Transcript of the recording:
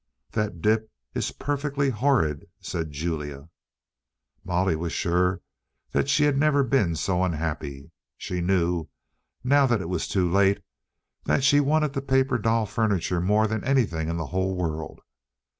"That dip is perfectly horrid," said Julia. Molly was sure that she had never been so unhappy. She knew, now that it was too late, that she wanted the paper doll furniture more than anything in the whole world.